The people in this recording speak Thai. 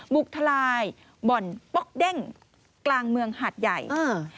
ทลายบ่อนป๊อกเด้งกลางเมืองหาดใหญ่เออ